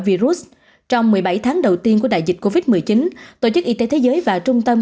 virus trong một mươi bảy tháng đầu tiên của đại dịch covid một mươi chín tổ chức y tế thế giới và trung tâm